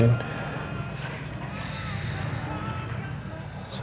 tuhan masih ada